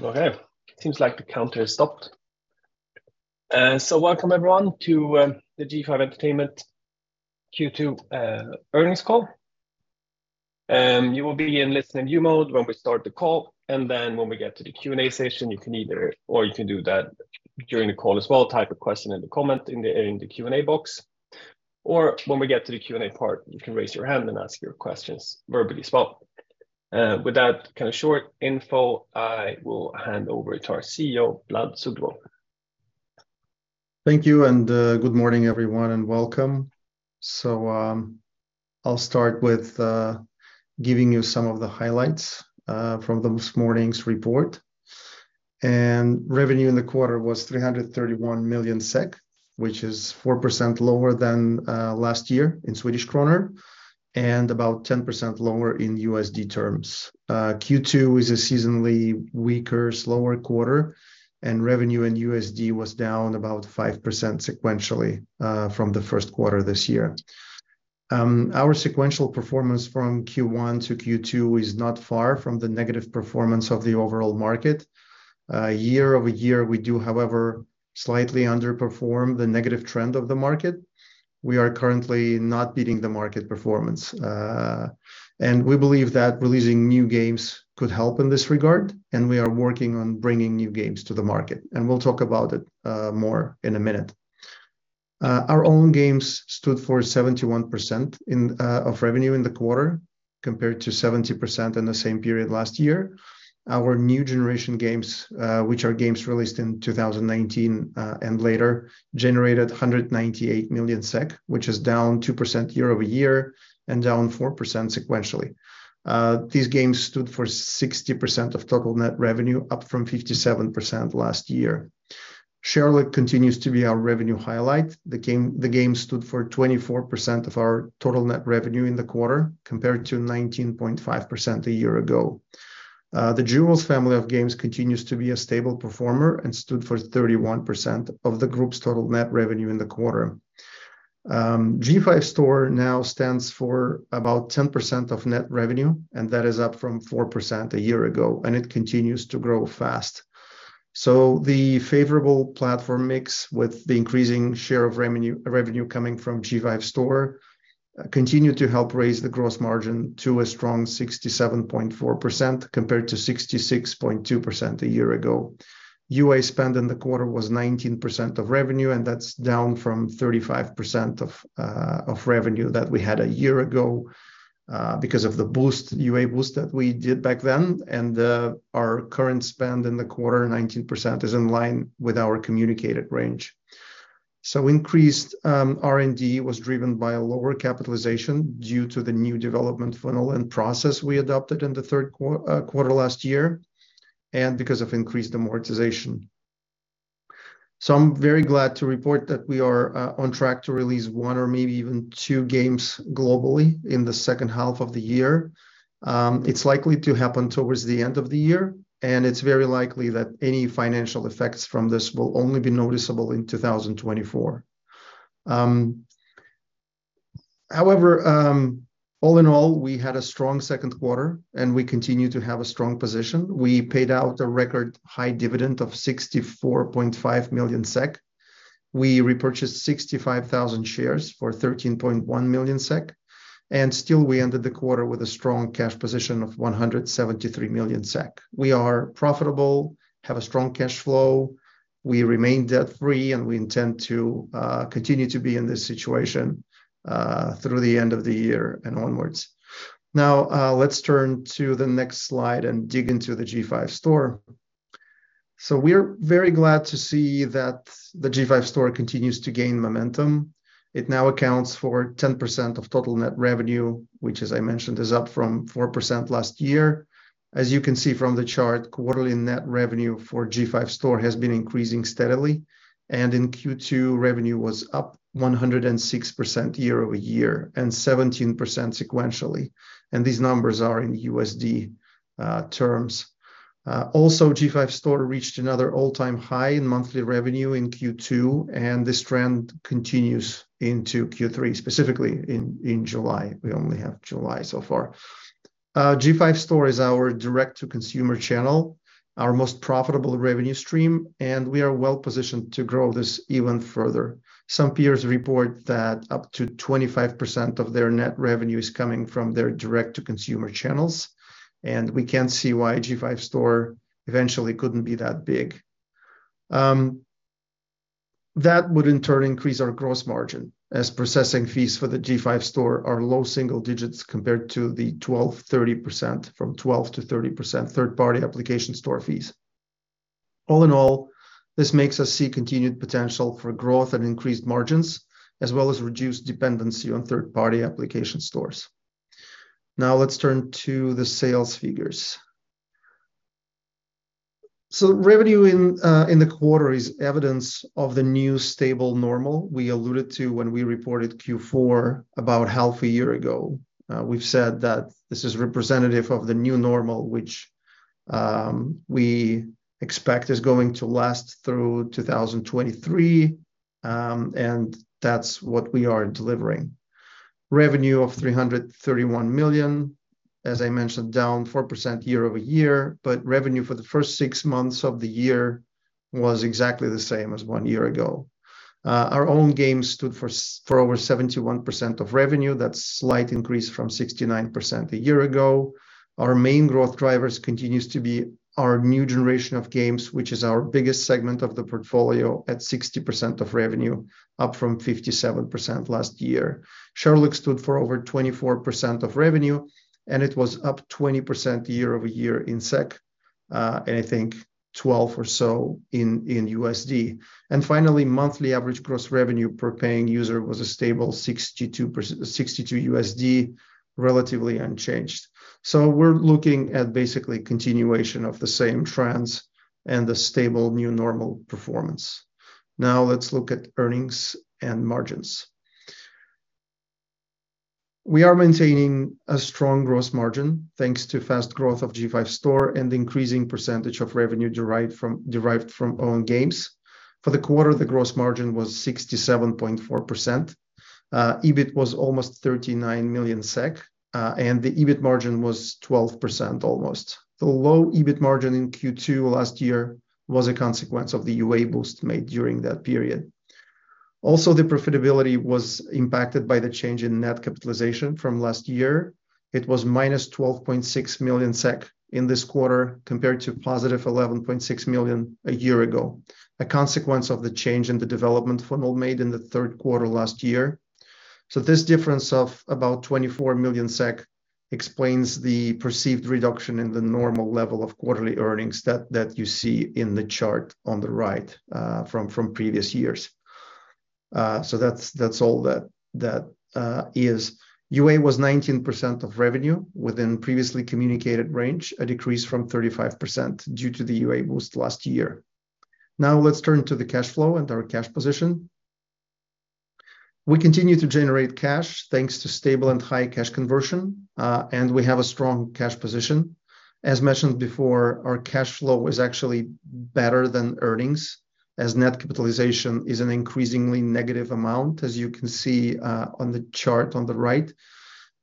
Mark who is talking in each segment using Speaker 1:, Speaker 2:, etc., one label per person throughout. Speaker 1: Okay, it seems like the counter has stopped. Welcome everyone to the G5 Entertainment Q2 earnings call. You will be in listen and view mode when we start the call, and then when we get to the Q&A session, you can or you can do that during the call as well, type a question in the comment in the Q&A box, or when we get to the Q&A part, you can raise your hand and ask your questions verbally as well. With that kind of short info, I will hand over to our CEO, Vlad Suglobov.
Speaker 2: Thank you, good morning, everyone, and welcome. I'll start with giving you some of the highlights from this morning's report. Revenue in the quarter was 331 million SEK, which is 4% lower than last year in Swedish krona and about 10% lower in USD terms. Q2 is a seasonally weaker, slower quarter, and revenue in USD was down about 5% sequentially from Q1 this year. Our sequential performance from Q1 to Q2 is not far from the negative performance of the overall market. Year-over-year, we do, however, slightly underperform the negative trend of the market. We are currently not beating the market performance, and we believe that releasing new games could help in this regard, and we are working on bringing new games to the market, and we'll talk about it more in a minute. Our own games stood for 71% of revenue in the quarter, compared to 70% in the same period last year. Our new generation games, which are games released in 2019 and later, generated 198 million SEK, which is down 2% year-over-year and down 4% sequentially. These games stood for 60% of total net revenue, up from 57% last year. Sherlock continues to be our revenue highlight. The game, the game stood for 24% of our total net revenue in the quarter, compared to 19.5% a year ago. The Jewels family of games continues to be a stable performer and stood for 31% of the group's total net revenue in the quarter. G5 Store now stands for about 10% of net revenue, and that is up from 4% a year ago, and it continues to grow fast. The favorable platform mix with the increasing share of revenue, revenue coming from G5 Store, continued to help raise the gross margin to a strong 67.4%, compared to 66.2% a year ago. UA spend in the quarter was 19% of revenue, and that's down from 35% of revenue that we had a year ago, because of the UA boost that we did back then, and our current spend in the quarter, 19%, is in line with our communicated range. Increased R&D was driven by a lower capitalization due to the new development funnel and process we adopted in the Q3 last year and because of increased amortization. I'm very glad to report that we are on track to release one or maybe even two games globally in the second half of the year. It's likely to happen towards the end of the year, and it's very likely that any financial effects from this will only be noticeable in 2024. However, all in all, we had a strong Q2, and we continue to have a strong position. We paid out a record high dividend of 64.5 million SEK. We repurchased 65,000 shares for 13.1 million SEK, and still we ended the quarter with a strong cash position of 173 million SEK. We are profitable, have a strong cash flow, we remain debt-free, and we intend to continue to be in this situation through the end of the year and onwards. Now, let's turn to the next slide and dig into the G5 Store. We are very glad to see that the G5 Store continues to gain momentum. It now accounts for 10% of total net revenue, which, as I mentioned, is up from 4% last year. As you can see from the chart, quarterly net revenue for G5 Store has been increasing steadily. In Q2, revenue was up 106% year-over-year and 17% sequentially. These numbers are in USD terms. Also, G5 Store reached another all-time high in monthly revenue in Q2. This trend continues into Q3, specifically in July. We only have July so far. G5 Store is our direct-to-consumer channel, our most profitable revenue stream. We are well-positioned to grow this even further. Some peers report that up to 25% of their net revenue is coming from their direct-to-consumer channels. We can't see why G5 Store eventually couldn't be that big. That would in turn increase our gross margin, as processing fees for the G5 Store are low single digits compared to the 12%, 30%, from 12%-30% third-party application store fees. All in all, this makes us see continued potential for growth and increased margins, as well as reduced dependency on third-party application stores. Now, let's turn to the sales figures. Revenue in the quarter is evidence of the new stable normal we alluded to when we reported Q4 about half a year ago. We've said that this is representative of the new normal, which we expect is going to last through 2023, and that's what we are delivering. Revenue of 331 million, as I mentioned, down 4% year-over-year, revenue for the first six months of the year was exactly the same as one year ago. Our own games stood for over 71% of revenue. That's slight increase from 69% a year ago. Our main growth drivers continues to be our new generation of games, which is our biggest segment of the portfolio at 60% of revenue, up from 57% last year. Sherlock stood for over 24% of revenue, it was up 20% year-over-year in SEK, and I think 12 or so in USD. Finally, monthly average gross revenue per paying user was a stable $62, relatively unchanged. We're looking at basically continuation of the same trends and the stable new normal performance. Now, let's look at earnings and margins. We are maintaining a strong gross margin, thanks to fast growth of G5 Store and the increasing percentage of revenue derived from, derived from own games. For the quarter, the gross margin was 67.4%. EBIT was almost 39 million SEK, and the EBIT margin was 12% almost. The low EBIT margin in Q2 last year was a consequence of the UA boost made during that period. Also, the profitability was impacted by the change in net capitalization from last year. It was SEK-12.6 million in this quarter, compared to +11.6 million a year ago, a consequence of the change in the development funnel made in the Q3 last year. This difference of about 24 million SEK explains the perceived reduction in the normal level of quarterly earnings that, that you see in the chart on the right, from, from previous years. That's, that's all that, that, is. UA was 19% of revenue within previously communicated range, a decrease from 35% due to the UA boost last year. Let's turn to the cash flow and our cash position. We continue to generate cash, thanks to stable and high cash conversion, and we have a strong cash position. As mentioned before, our cash flow is actually better than earnings, as net capitalization is an increasingly negative amount, as you can see, on the chart on the right.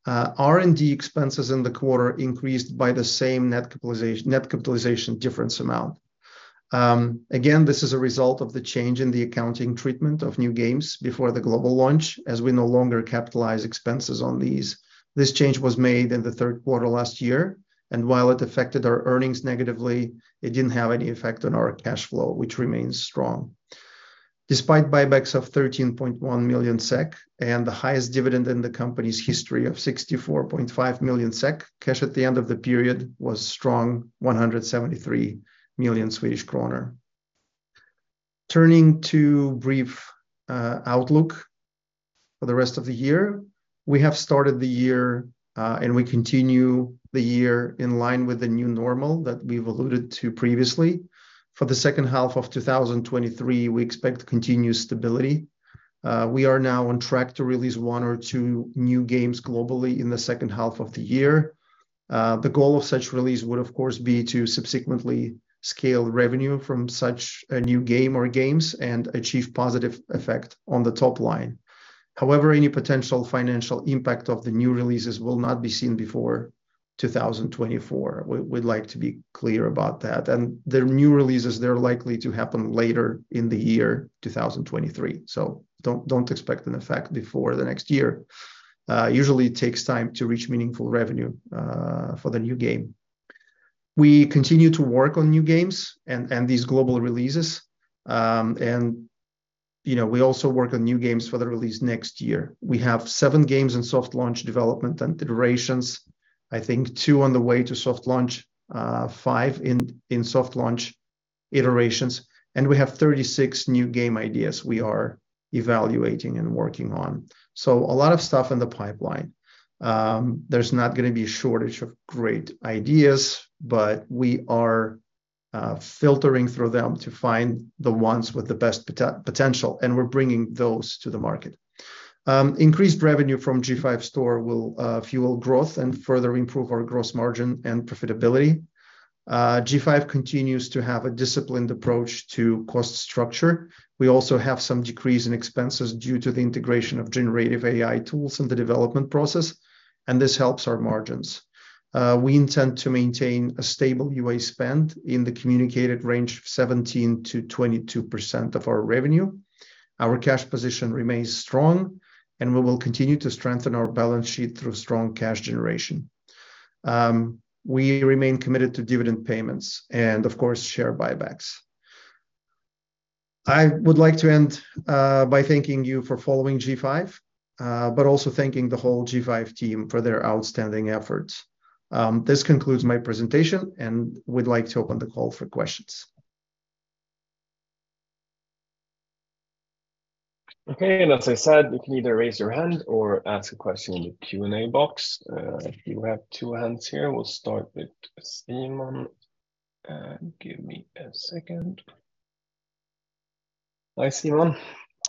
Speaker 2: R&D expenses in the quarter increased by the same net capitalization difference amount. Again, this is a result of the change in the accounting treatment of new games before the Global launch, as we no longer capitalize expenses on these. This change was made in Q3 last year, and while it affected our earnings negatively, it didn't have any effect on our cash flow, which remains strong. Despite buybacks of 13.1 million SEK and the highest dividend in the company's history of 64.5 million SEK, cash at the end of the period was strong, 173 million Swedish kronor. Turning to brief outlook for the rest of the year. We have started the year, and we continue the year in line with the new normal that we've alluded to previously. For the second half of 2023, we expect continued stability. We are now on track to release one or two new games globally in the H2 of the year. The goal of such release would, of course, be to subsequently scale revenue from such a new game or games and achieve positive effect on the top line. However, any potential financial impact of the new releases will not be seen before 2024. We, we'd like to be clear about that. The new releases, they're likely to happen later in the year 2023, so don't, don't expect an effect before the next year. Usually, it takes time to reach meaningful revenue for the new game. We continue to work on new games and, and these global releases, and, you know, we also work on new games for the release next year. We have seven games in soft launch development and iterations. I think two on the way to soft launch, five in, in soft launch iterations, and we have 36 new game ideas we are evaluating and working on. A lot of stuff in the pipeline. There's not gonna be a shortage of great ideas, but we are filtering through them to find the ones with the best potential, and we're bringing those to the market. Increased revenue from G5 Store will fuel growth and further improve our gross margin and profitability. G5 continues to have a disciplined approach to cost structure. We also have some decrease in expenses due to the integration of generative AI tools in the development process, and this helps our margins. We intend to maintain a stable UA spend in the communicated range of 17%-22% of our revenue. Our cash position remains strong, and we will continue to strengthen our balance sheet through strong cash generation. We remain committed to dividend payments and, of course, share buybacks. I would like to end by thanking you for following G5, but also thanking the whole G5 team for their outstanding efforts. This concludes my presentation, and we'd like to open the call for questions.
Speaker 1: Okay, and as I said, you can either raise your hand or ask a question in the Q&A box. I do have two hands here. We'll start with Simon, give me a second. Hi, Simon.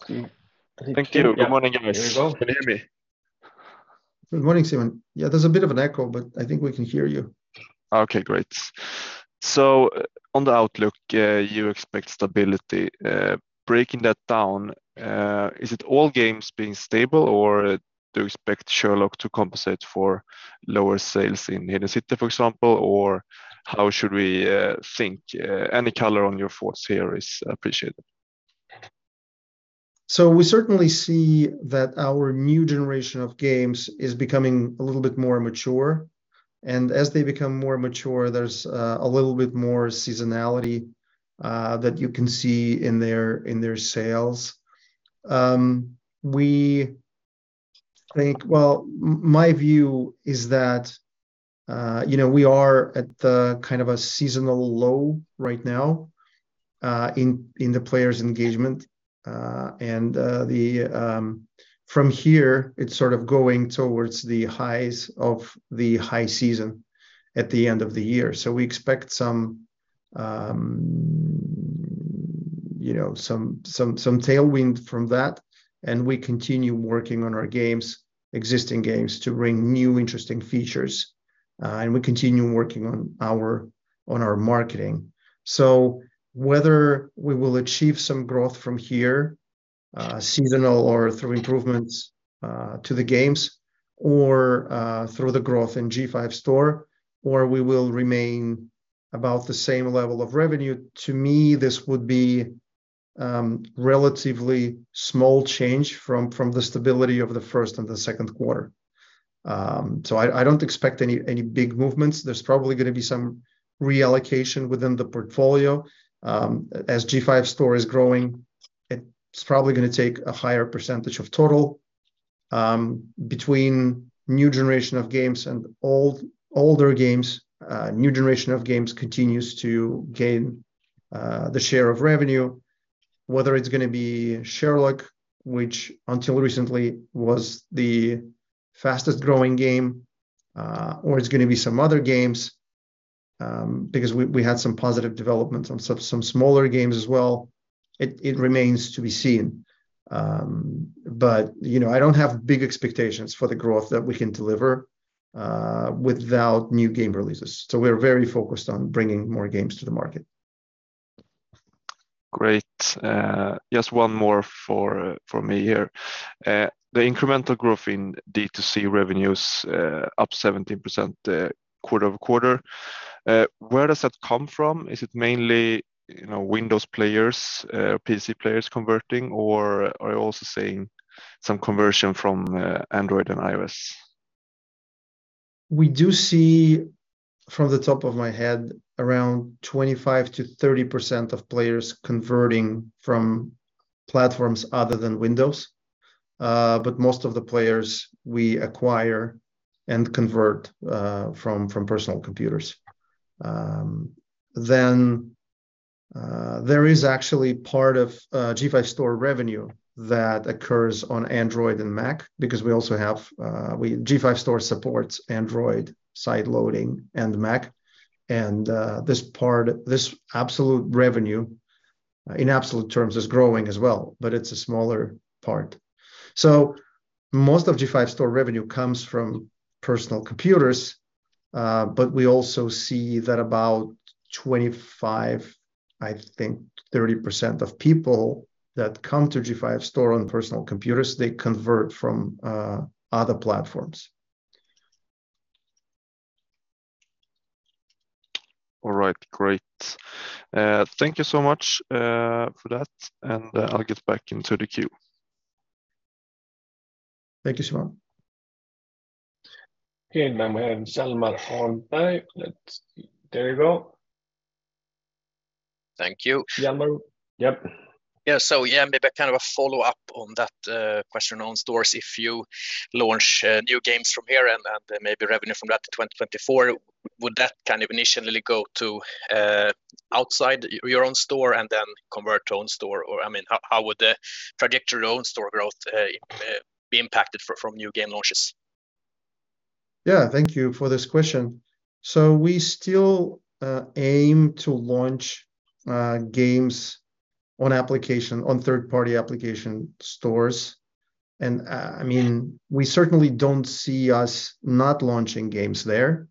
Speaker 3: Thank you. Good morning, uncertain.
Speaker 1: There you go.
Speaker 3: Can you hear me?
Speaker 2: Good morning, Simon. Yeah, there's a bit of an echo, but I think we can hear you.
Speaker 3: Okay, great. On the outlook, you expect stability. Breaking that down, is it all games being stable, or do you expect Sherlock to compensate for lower sales in Hidden City, for example? How should we think? Any color on your thoughts here is appreciated.
Speaker 2: We certainly see that our new generation of games is becoming a little bit more mature, and as they become more mature, there's a little bit more seasonality that you can see in their, in their sales. Well, my view is that, you know, we are at the kind of a seasonal low right now, in, in the players' engagement. From here, it's sort of going towards the highs of the high season at the end of the year. We expect some, you know, some, some, some tailwind from that, and we continue working on our games, existing games, to bring new, interesting features, and we continue working on our, on our marketing. Whether we will achieve some growth from here, seasonal or through improvements to the games, or through the growth in G5 Store, or we will remain about the same level of revenue, to me, this would be relatively small change from the stability of the first and the Q2. I, I don't expect any, any big movements. There's probably gonna be some reallocation within the portfolio. As G5 Store is growing, it's probably gonna take a higher % of total between new generation of games and old- older games. New generation of games continues to gain the share of revenue, whether it's gonna be Sherlock, which until recently was the fastest-growing game, or it's gonna be some other games, because we, we had some positive developments on some, some smaller games as well. It, it remains to be seen. You know, I don't have big expectations for the growth that we can deliver without new game releases, so we're very focused on bringing more games to the market.
Speaker 3: Great. Just one more for from me here. The incremental growth in D2C revenue is up 17% quarter-over-quarter. Where does that come from? Is it mainly, you know, Windows players, PC players converting, or are you also seeing some conversion from Android and iOS?
Speaker 2: We do see, from the top of my head, around 25%-30% of players converting from platforms other than Windows. Most of the players we acquire and convert from personal computers. There is actually part of G5 Store revenue that occurs on Android and Mac, because we also have G5 Store supports Android sideloading and Mac, and this part, this absolute revenue, in absolute terms, is growing as well, but it's a smaller part. Most of G5 Store revenue comes from personal computers, but we also see that about 25%, I think, 30% of people that come to G5 Store on personal computers, they convert from other platforms.
Speaker 3: All right, great. Thank you so much for that, and I'll get back into the queue.
Speaker 2: Thank you, Simon.
Speaker 4: Hey, my name is Hjalmar Ahlberg. There we go. Thank you.
Speaker 1: Hjalmar. Yep.
Speaker 4: Yeah. yeah, maybe kind of a follow-up on that question on Stores. If you launch new games from here and, and maybe revenue from that in 2024, would that kind of initially go to outside your own Store and then convert to own Store? I mean, how, how would the trajectory to own Store growth be impacted from new game launches?
Speaker 2: Yeah, thank you for this question. We still aim to launch games on application, on third-party application stores, and, I mean, we certainly don't see us not launching games there.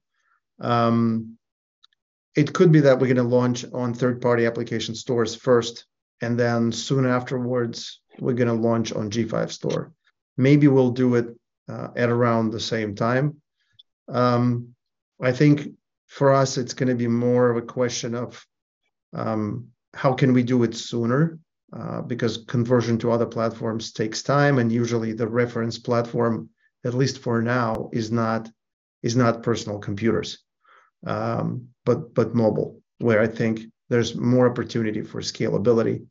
Speaker 2: It could be that we're gonna launch on third-party application stores first, and then soon afterwards, we're gonna launch on G5 Store. Maybe we'll do it at around the same time. I think for us it's gonna be more of a question of, how can we do it sooner? Because conversion to other platforms takes time, and usually the reference platform, at least for now, is not, is not personal computers, but mobile, where I think there's more opportunity for scalability,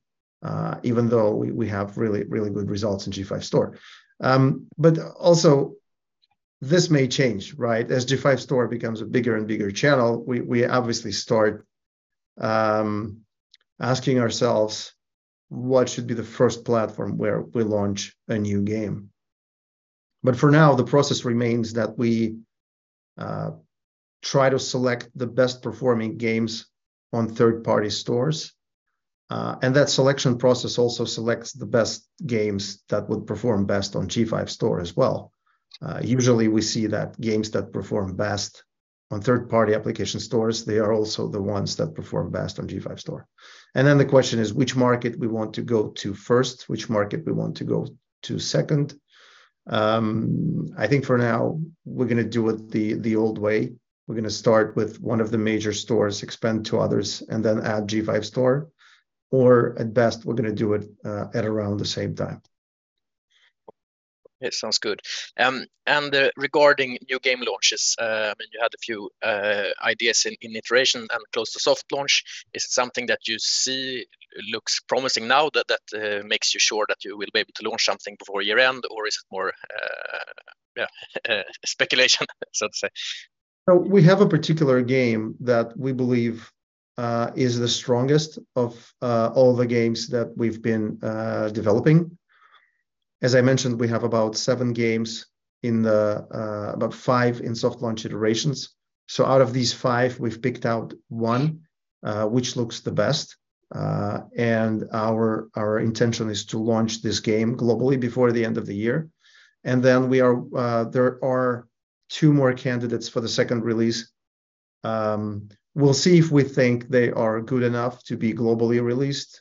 Speaker 2: even though we, we have really, really good results in G5 Store. Also this may change, right? As G5 Store becomes a bigger and bigger channel, we, we obviously start asking ourselves: What should be the first platform where we launch a new game? For now, the process remains that we try to select the best-performing games on third-party stores. That selection process also selects the best games that would perform best on G5 Store as well. Usually, we see that games that perform best on third-party application stores, they are also the ones that perform best on G5 Store. The question is, which market we want to go to first? Which market we want to go to second? I think for now, we're gonna do it the, the old way. We're gonna start with one of the major stores, expand to others, and then add G5 Store, or at best, we're gonna do it at around the same time.
Speaker 4: It sounds good. Regarding new game launches, and you had a few ideas in, in iteration and close to soft launch, is it something that you see looks promising now that, that makes you sure that you will be able to launch something before year-end, or is it more, speculation, so to say?
Speaker 2: We have a particular game that we believe is the strongest of all the games that we've been developing. As I mentioned, we have about seven games in the-- about five in soft launch iterations. Out of these five, we've picked out one which looks the best, and our, our intention is to launch this game globally before the end of the year. Then we are-- there are two more candidates for the second release. We'll see if we think they are good enough to be globally released.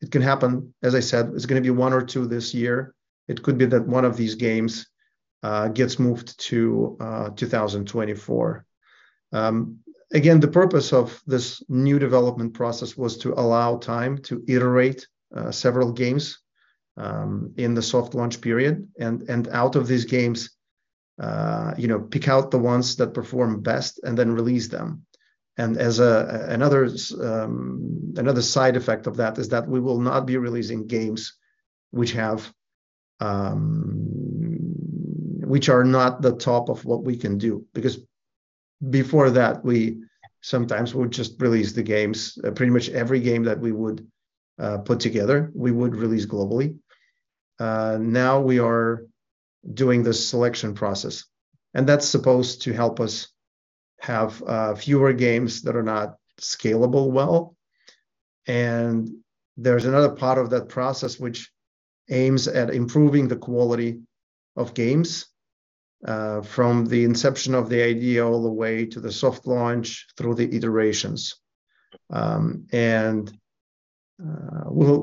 Speaker 2: It can happen... As I said, it's gonna be one or two this year. It could be that one of these games gets moved to 2024. Again, the purpose of this new development process was to allow time to iterate several games in the soft launch period, and out of these games, you know, pick out the ones that perform best and then release them. As another, another side effect of that is that we will not be releasing games which have, which are not the top of what we can do, because before that, we sometimes would just release the games. Pretty much every game that we would put together, we would release globally. Now we are doing the selection process, and that's supposed to help us have fewer games that are not scalable well. There's another part of that process which aims at improving the quality of games from the inception of the idea, all the way to the soft launch through the iterations. We'll,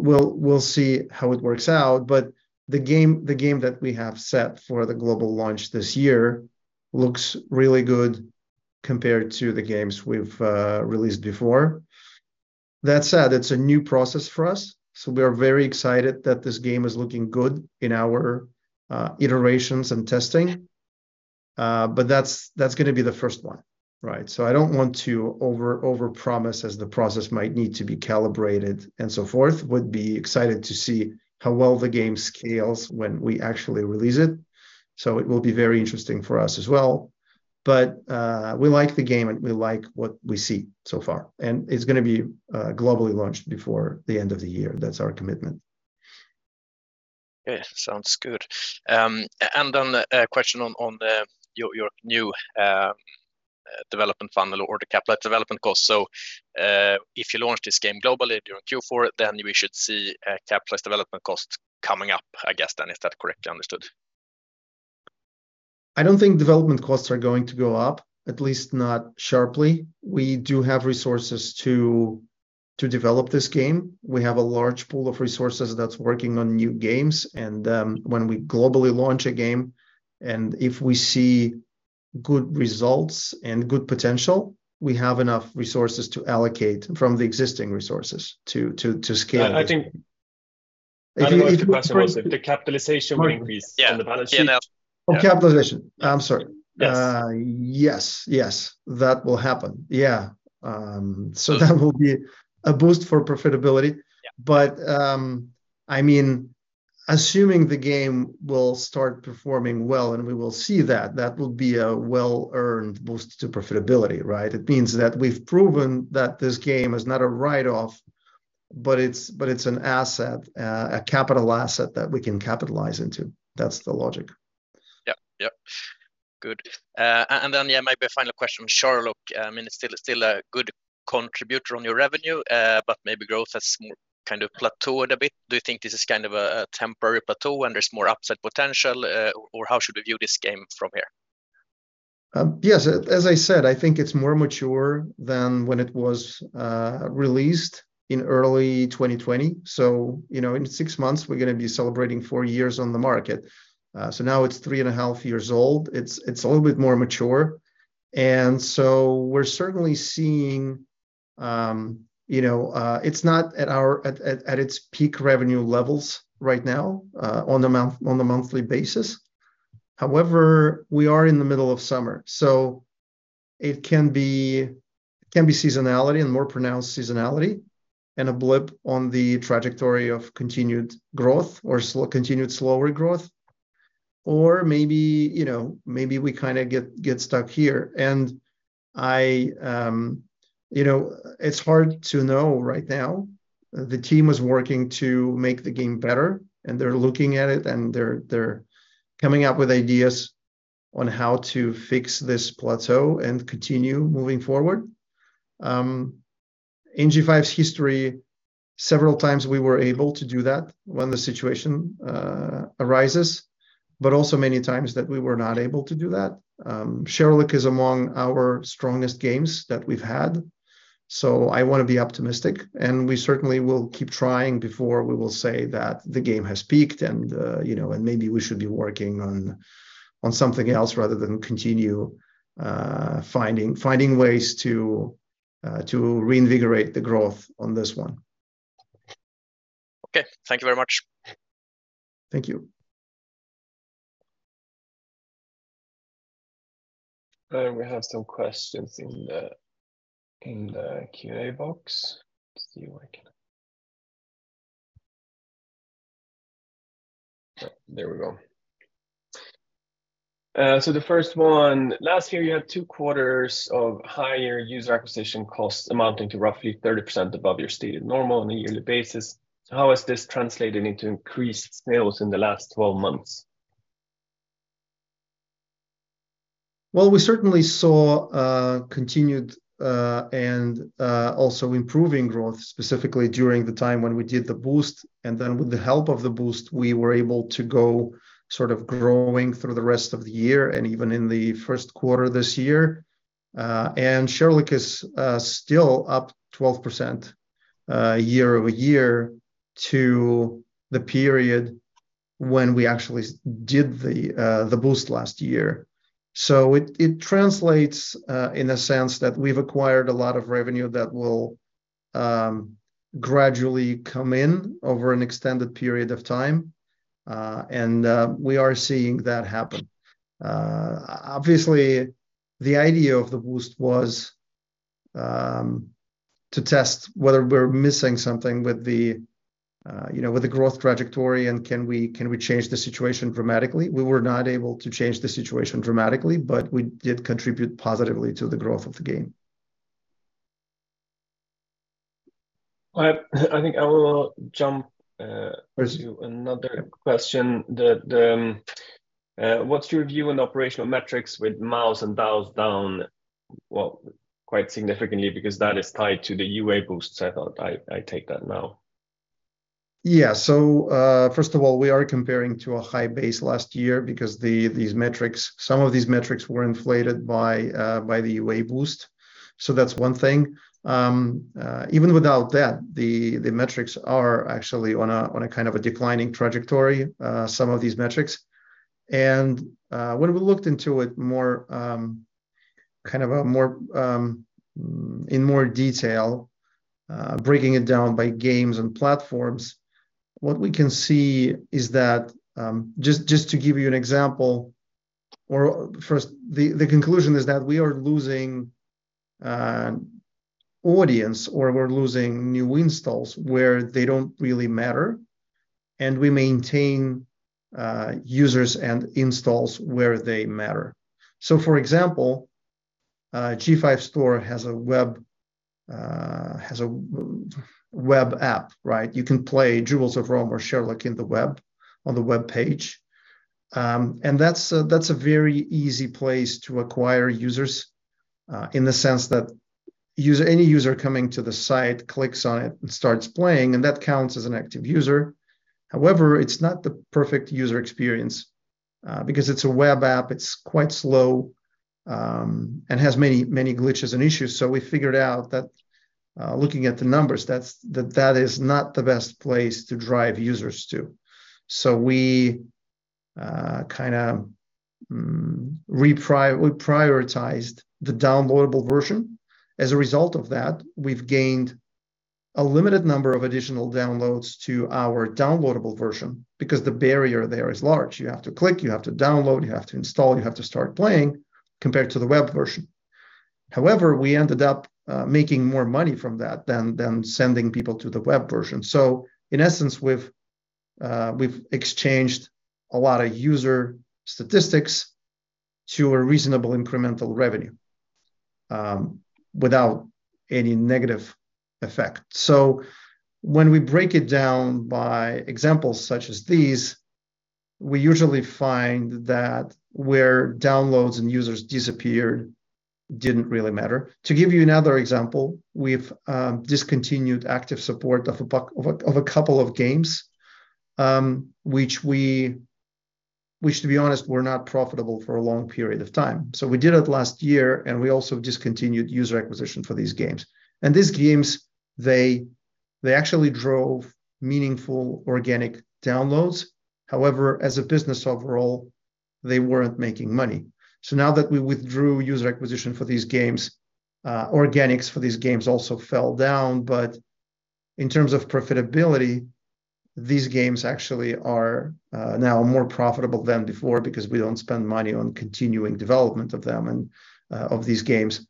Speaker 2: we'll, we'll see how it works out, but the game, the game that we have set for the global launch this year looks really good compared to the games we've released before. That said, it's a new process for us, so we are very excited that this game is looking good in our iterations and testing. That's, that's gonna be the first one, right? I don't want to over, overpromise, as the process might need to be calibrated, and so forth. Would be excited to see how well the game scales when we actually release it, so it will be very interesting for us as well. We like the game, and we like what we see so far, and it's gonna be, globally launched before the end of the year. That's our commitment.
Speaker 4: Sounds good. A question on your, your new development funnel or the capital development cost. If you launch this game globally during Q4, then we should see a capitalized development cost coming up, I guess, then. Is that correctly understood?
Speaker 2: I don't think development costs are going to go up, at least not sharply. We do have resources to develop this game. We have a large pool of resources that's working on new games, and when we globally launch a game, and if we see good results and good potential, we have enough resources to allocate from the existing resources to scale-
Speaker 1: I, I think-
Speaker 2: If you-
Speaker 1: The capitalization will increase...
Speaker 4: Yeah
Speaker 1: on the balance sheet.
Speaker 4: Yeah.
Speaker 2: Oh, capitalization. I'm sorry.
Speaker 4: Yes.
Speaker 2: Yes, yes, that will happen. Yeah. That will be a boost for profitability-
Speaker 4: Yeah...
Speaker 2: but, I mean, assuming the game will start performing well, and we will see that, that will be a well-earned boost to profitability, right? It means that we've proven that this game is not a write-off, but it's, but it's an asset, a capital asset that we can capitalize into. That's the logic.
Speaker 4: Yep, yep. Good. Then, yeah, maybe a final question on Sherlock. I mean, it's still, still a good contributor on your revenue, but maybe growth has more kind of plateaued a bit. Do you think this is kind of a, a temporary plateau and there's more upside potential, or how should we view this game from here?
Speaker 2: Yes, as I said, I think it's more mature than when it was released in early 2020. You know, in 6 months, we're gonna be celebrating four years on the market. Now it's 3.5 years old. It's, it's a little bit more mature, and so we're certainly seeing, you know, it's not at its peak revenue levels right now, on the month, on a monthly basis. However, we are in the middle of summer, so it can be, it can be seasonality and more pronounced seasonality, and a blip on the trajectory of continued growth or continued slower growth, or maybe, you know, maybe we kinda get, get stuck here. I, you know, it's hard to know right now. The team is working to make the game better, and they're looking at it, and they're, they're coming up with ideas on how to fix this plateau and continue moving forward. In G5's history, several times we were able to do that when the situation arises, but also many times that we were not able to do that. Sherlock is among our strongest games that we've had, so I want to be optimistic, and we certainly will keep trying before we will say that the game has peaked and, you know, and maybe we should be working on, on something else rather than continue finding, finding ways to reinvigorate the growth on this one.
Speaker 4: Okay. Thank you very much.
Speaker 2: Thank you.
Speaker 1: We have some questions in the Q&A box. Let's see if I can... There we go. The first one: Last year, you had two quarters of higher user acquisition costs amounting to roughly 30% above your stated normal on a yearly basis. How has this translated into increased sales in the last 12 months?
Speaker 2: Well, we certainly saw continued and also improving growth, specifically during the time when we did the boost. Then with the help of the boost, we were able to go sort of growing through the rest of the year and even in the first quarter this year. Sherlock is still up 12% year-over-year to the period when we actually did the boost last year. It translates in a sense that we've acquired a lot of revenue that will gradually come in over an extended period of time, and we are seeing that happen. Obviously, the idea of the boost was to test whether we're missing something with the, you know, with the growth trajectory, and can we, can we change the situation dramatically? We were not able to change the situation dramatically, but we did contribute positively to the growth of the game.
Speaker 1: I, I think I will jump.
Speaker 2: Please do....
Speaker 1: another question that, what's your view on operational metrics with MAUs and DAUs down, well, quite significantly because that is tied to the UA boost. I thought I, I take that now.
Speaker 2: Yeah. First of all, we are comparing to a high base last year because the, some of these metrics were inflated by the UA boost, that's one thing. Even without that, the metrics are actually on a kind of a declining trajectory, some of these metrics. When we looked into it more, kind of a more, in more detail, breaking it down by games and platforms, what we can see is that... Just, just to give you an example, or first, the conclusion is that we are losing audience, or we're losing new installs where they don't really matter, and we maintain users and installs where they matter. For example, G5 Store has a web, has a Web App, right? You can play Jewels of Rome or Sherlock in the web, on the Web Page. That's a, that's a very easy place to acquire users, in the sense that user, any user coming to the site clicks on it and starts playing, and that counts as an active user. However, it's not the perfect user experience. Because it's a web app, it's quite slow, and has many, many glitches and issues. We figured out that, looking at the numbers, that's, that that is not the best place to drive users to. We, kind of, we prioritized the downloadable version. As a result of that, we've gained a limited number of additional downloads to our downloadable version because the barrier there is large. You have to click, you have to download, you have to install, you have to start playing, compared to the web version. However, we ended up making more money from that than, than sending people to the web version. In essence, we've exchanged a lot of user statistics to a reasonable incremental revenue, without any negative effect. When we break it down by examples such as these, we usually find that where downloads and users disappeared didn't really matter. To give you another example, we've discontinued active support of a couple of games, which, to be honest, were not profitable for a long period of time. We did it last year, and we also discontinued user acquisition for these games. These games, they, they actually drove meaningful organic downloads. However, as a business overall, they weren't making money. Now that we withdrew user acquisition for these games, organics for these games also fell down, but in terms of profitability, these games actually are now more profitable than before because we don't spend money on continuing development of them and of these games.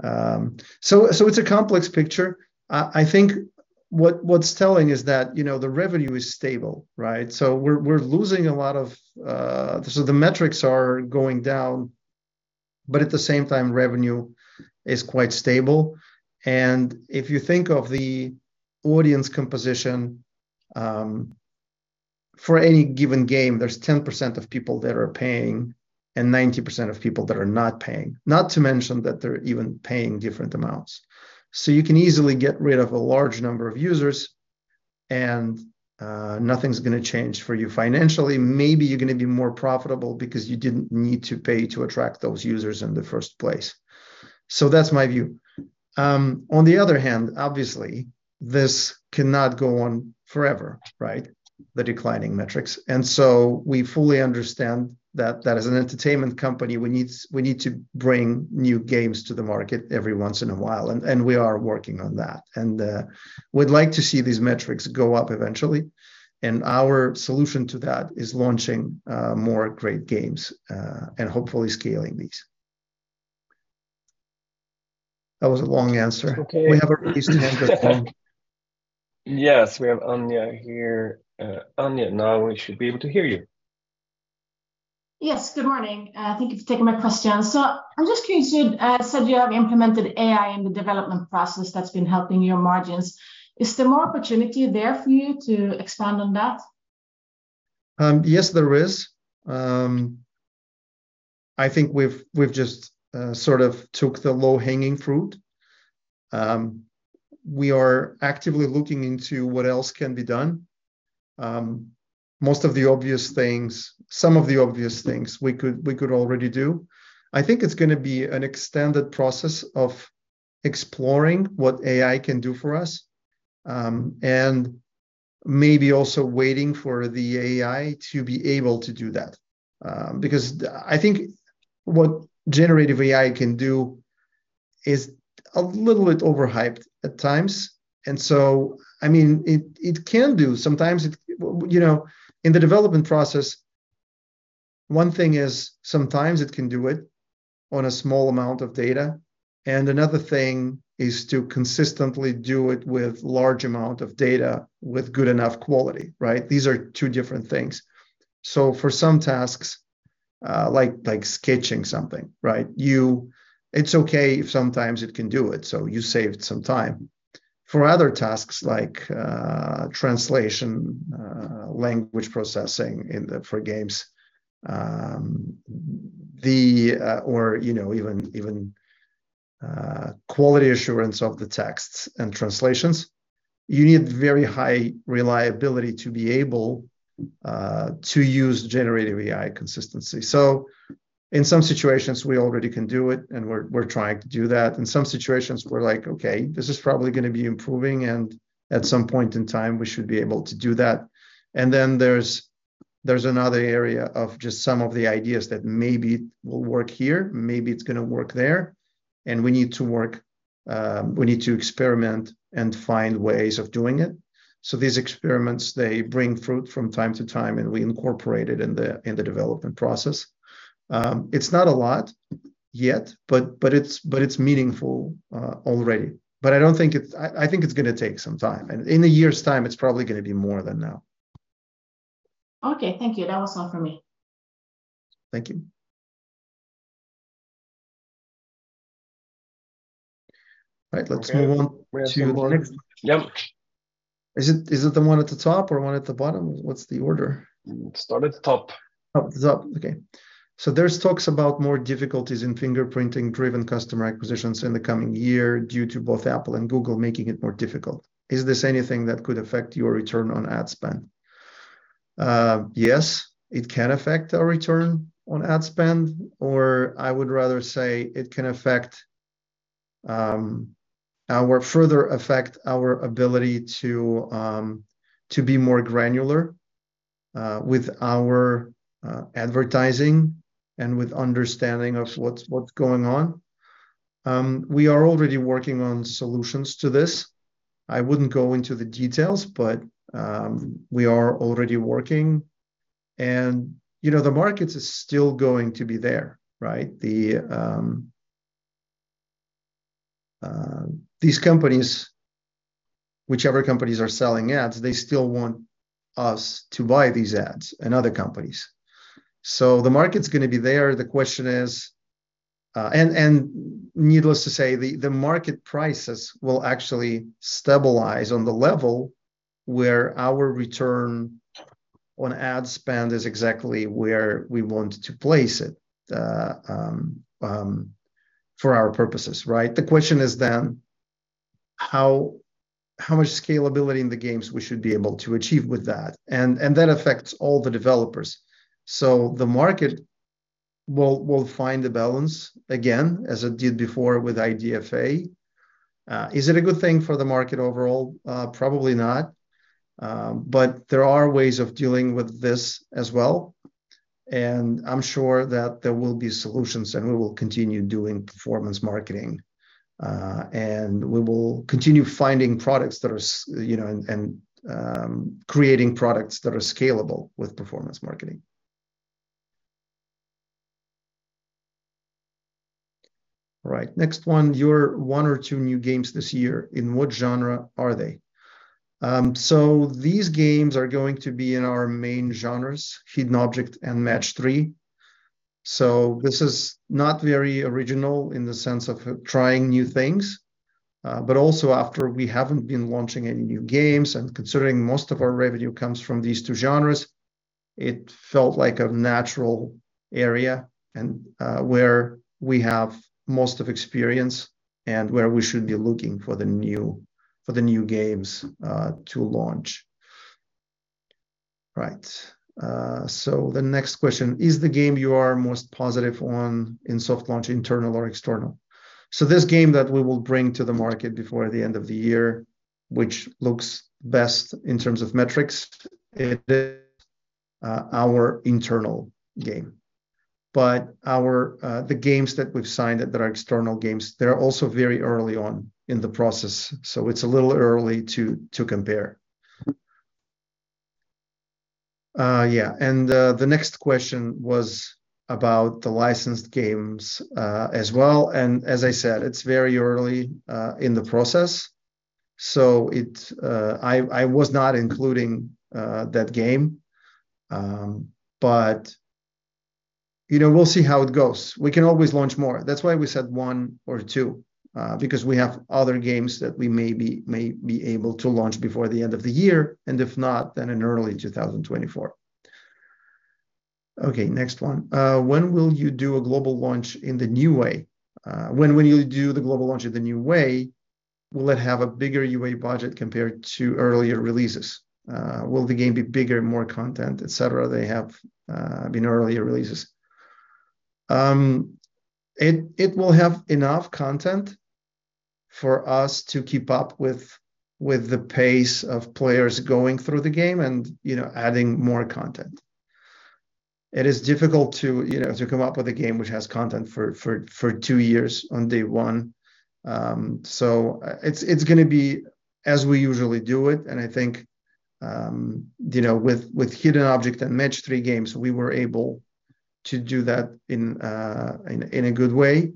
Speaker 2: So it's a complex picture. I think what's telling is that, you know, the revenue is stable, right? We're, we're losing a lot of so the metrics are going down, but at the same time, revenue is quite stable. If you think of the audience composition, for any given game, there's 10% of people that are paying and 90% of people that are not paying. Not to mention that they're even paying different amounts. You can easily get rid of a large number of users, and nothing's gonna change for you financially. Maybe you're gonna be more profitable because you didn't need to pay to attract those users in the first place. That's my view. On the other hand, obviously, this cannot go on forever, right? The declining metrics. We fully understand that, that as an entertainment company, we need, we need to bring new games to the market every once in a while, and, and we are working on that. And we'd like to see these metrics go up eventually, and our solution to that is launching more Great Games, and hopefully scaling these. That was a long answer.
Speaker 1: It's okay.
Speaker 2: We have a raised hand here.
Speaker 1: Yes, we have Anya here. Anya, now we should be able to hear you.
Speaker 5: Yes, good morning. Thank you for taking my question. I'm just curious, you said you have implemented AI in the Development Process that's been helping your margins. Is there more opportunity there for you to expand on that?
Speaker 2: Yes, there is. I think we've, we've just, sort of took the low-hanging fruit. We are actively looking into what else can be done. Most of the obvious things, some of the obvious things we could, we could already do. I think it's gonna be an extended process of exploring what AI can do for us, and maybe also waiting for the AI to be able to do that. Because I think what generative AI can do is a little bit overhyped at times, and so, I mean, it, it can do... Sometimes it, you know, in the Development Process, one thing is, sometimes it can do it on a small amount of data, and another thing is to consistently do it with large amount of data, with good enough quality, right? These are two different things. For some tasks, like, like sketching something, right, you- it's okay if sometimes it can do it, so you saved some time. For other tasks like, translation, language processing in the- for games, or, you know, even, even, Quality Assurance of the Texts and Translations, you need very high reliability to be able to use generative AI consistency. In some situations, we already can do it, and we're, we're trying to do that. In some situations, we're like, "Okay, this is probably gonna be improving, and at some point in time, we should be able to do that." Then there's, there's another area of just some of the ideas that maybe will work here, maybe it's gonna work there, and we need to work, we need to experiment and find ways of doing it. These experiments, they bring fruit from time to time, and we incorporate it in the, in the development process. It's not a lot yet, but, but it's, but it's meaningful already. I don't think it's, I think it's gonna take some time, and in a year's time, it's probably gonna be more than now.
Speaker 5: Okay, thank you. That was all for me.
Speaker 2: Thank you. Right, let's move on-
Speaker 1: Okay...
Speaker 2: to the next.
Speaker 1: Yep.
Speaker 2: Is it the one at the top or one at the bottom? What's the order?
Speaker 1: Start at the top.
Speaker 2: Oh, the top. Okay. "So there's talks about more difficulties in fingerprinting-driven customer acquisitions in the coming year, due to both Apple and Google making it more difficult. Is this anything that could affect your return on ad spend?" Yes, it can affect our return on ad spend, or I would rather say it can affect, further affect our ability to, to be more granular with our advertising and with understanding of what's going on. We are already working on solutions to this. I wouldn't go into the details, but we are already working. You know, the market is still going to be there, right? The these companies, whichever companies are selling ads, they still want us to buy these ads, and other companies. The market's gonna be there. The question is, and needless to say, the, the market prices will actually stabilize on the level where our return on ad spend is exactly where we want to place it for our purposes, right? The question is then, how, how much scalability in the games we should be able to achieve with that? That affects all the developers. The market will, will find a balance, again, as it did before with IDFA. Is it a good thing for the market overall? Probably not. There are ways of dealing with this as well, and I'm sure that there will be solutions, and we will continue doing performance marketing, and we will continue finding products that are you know, and, and Creating Products that are scalable with Performance Marketing. Right, next one, your one or two New Games this year, in what Genre are they? These games are going to be in our Main Genres, Hidden Object and match-three. This is not very original in the sense of trying new things, but also after we haven't been launching any new games and considering most of our revenue comes from these two Genres, it felt like a natural area and where we have most of experience and where we should be looking for the new, for the new games to launch. Right, the next question: Is the game you are most positive on in soft launch, internal or external? This game that we will bring to the market before the end of the year, which looks best in terms of Metrics, it is our internal game. Our... The games that we've signed that are external games, they're also very early on in the process, so it's a little early to, to compare. Yeah, the next question was about the licensed games as well, and as I said, it's very early in the process, so it I, I was not including that game. You know, we'll see how it goes. We can always launch more. That's why we said one or two, because we have other games that we may be, may be able to launch before the end of the year, and if not, then in early 2024. Okay, next one. When will you do a global launch in the new way? When will you do the global launch of the new way? Will it have a bigger UA Budget compared to earlier releases? Will the game be bigger, more content, et cetera, they have been earlier releases? It, it will have enough content for us to keep up with, with the pace of players going through the game and, you know, adding more content. It is difficult to, you know, to come up with a game which has content for, for, for two years on day one. It's, it's gonna be as we usually do it, and I think, you know, with, with hidden object and Match-three Games, we were able to do that in, in a good way.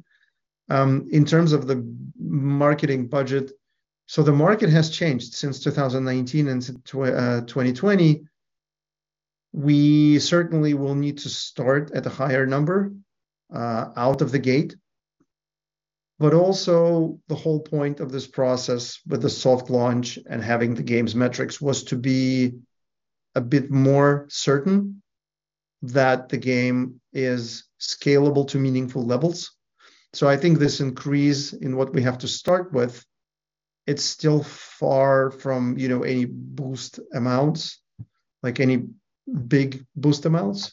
Speaker 2: In terms of the Marketing Budget, the market has changed since 2019 and 2020. We certainly will need to start at a higher number out of the gate. Also, the whole point of this process with the soft launch and having the game's metrics was to be a bit more certain that the game is scalable to meaningful levels. I think this increase in what we have to start with, it's still far from, you know, any boost amounts, like any big boost amounts.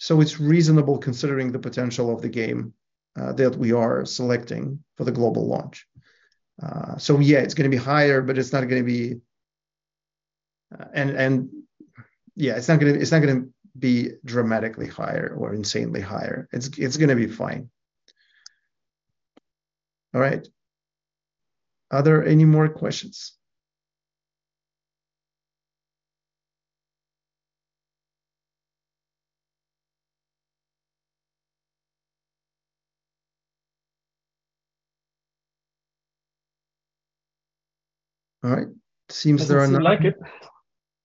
Speaker 2: It's reasonable considering the potential of the game that we are selecting for the global launch. Yeah, it's gonna be higher, but it's not gonna be... Yeah, it's not gonna, it's not gonna be dramatically higher or insanely higher. It's, it's gonna be fine. All right. Are there any more questions? All right, seems there are not.
Speaker 6: Looks like it.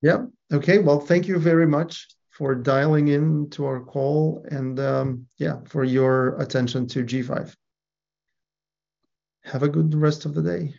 Speaker 2: Yeah. Okay, well, thank you very much for dialing in to our call and, yeah, for your attention to G5. Have a good rest of the day!